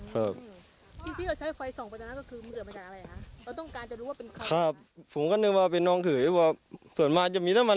ที่ที่เราใช้ไฟส่องไปจากนั้นก็คือมันเกิดมาจากอะไรครับ